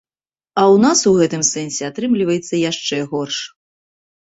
А ў нас у гэтым сэнсе атрымліваецца яшчэ горш.